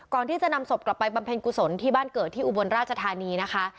ก่อนที่จะนำศพกลับไปบำเพ็ญกุศลที่บ้านเกิดที่อุบลราชธานีนะคะ